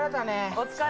お疲れ。